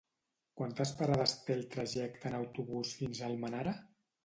Quantes parades té el trajecte en autobús fins a Almenara?